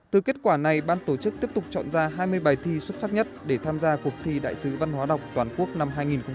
từ kết quả này ban tổ chức tiếp tục chọn ra hai mươi bài thi xuất sắc nhất để tham gia cuộc thi đại sứ văn hóa đọc toàn quốc năm hai nghìn hai mươi